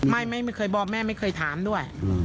ไม่เคยบอกแม่ไม่เคยถามด้วย